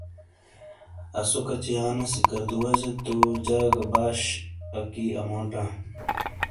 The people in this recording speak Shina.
آسو کچی آنے سکردوجہ تو جاگہ تگہ باش اکی اَموٹاں۔